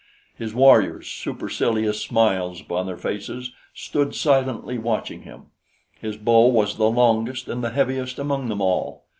His warriors, supercilious smiles upon their faces, stood silently watching him. His bow was the longest and the heaviest among them all.